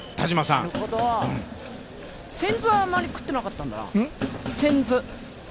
仙豆はあんまりくってなかったんか？